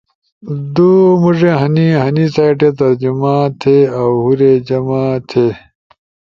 دُو مُوڙے ہنے۔ ہنی سائٹے ترجمہ تھے اؤ ہُورے جمع تھی۔